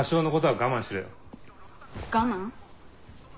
我慢？